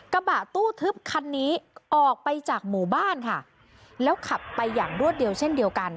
กระบะตู้ทึบคันนี้ออกไปจากหมู่บ้านค่ะแล้วขับไปอย่างรวดเร็วเช่นเดียวกัน